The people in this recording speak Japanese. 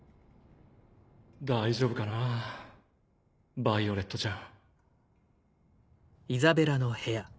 大丈夫かなぁヴァイオレットちゃん。